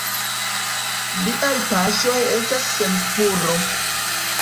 Liaj paŝoj estas sen spuro.